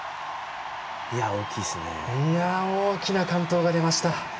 大きな完登が出ました。